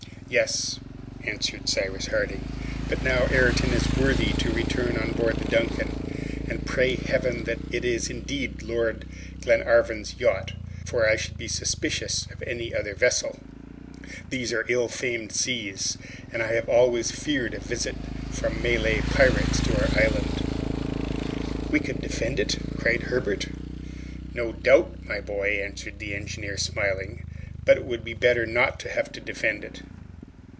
"Yes," answered Cyrus Harding; "but now Ayrton is worthy to return on board the 'Duncan,' and pray Heaven that it is indeed Lord Glenarvan's yacht, for I should be suspicious of any other vessel. These are ill famed seas, and I have always feared a visit from Malay pirates to our island." "We could defend it,', cried Herbert. "No doubt, my boy," answered the engineer smiling, "but it would be better not to have to defend it."